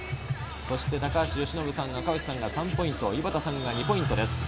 そして由伸さん、赤星さんが３ポイント、井端さんが２ポイントです。